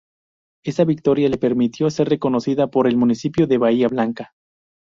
Esa victoria le permitió ser reconocida por el municipio de Bahía Blanca.